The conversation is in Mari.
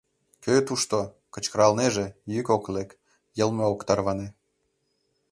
«Кӧ тушто?» — кычкыралнеже, йӱк ок лек, йылме ок тарване.